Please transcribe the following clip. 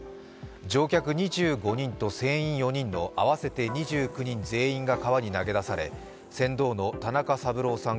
乗客２５人と船員４人の合わせて２９人全員が川に投げ出され船頭の田中三郎さん